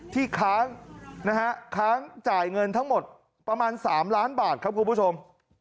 ค้างนะฮะค้างจ่ายเงินทั้งหมดประมาณ๓ล้านบาทครับคุณผู้ชม